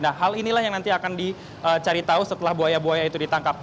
nah hal inilah yang nanti akan dicari tahu setelah buaya buaya itu ditangkap